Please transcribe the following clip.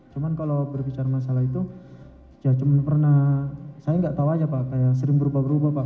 cuma kalau berbicara masalah itu ya cuma pernah saya nggak tahu aja pak kayak sering berubah berubah pak